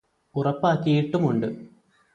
ഉറപ്പാക്കിയിട്ടുമുണ്ട്.